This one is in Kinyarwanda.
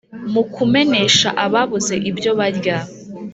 mu kumenesha ababuze ibyo barya